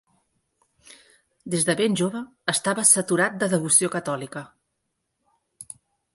Des de ben jove estava "saturat de devoció catòlica".